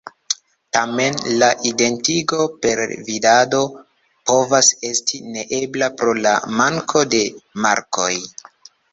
Tamen, la identigo per vidado povas esti neebla pro la manko de markoj.